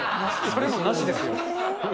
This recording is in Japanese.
それはもうなしですよ。